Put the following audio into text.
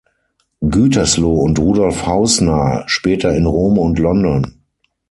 Gütersloh und Rudolf Hausner, später in Rom und London.